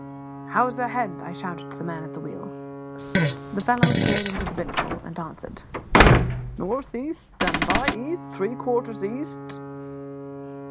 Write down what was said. "How is her head?" I shouted to the man at the wheel. The fellow peered into the binnacle, and answered "North east and by east, three quarters east."